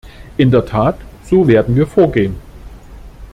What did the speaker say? In der Tat, so werden wir vorgehen.